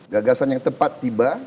gagasan yang tepat tiba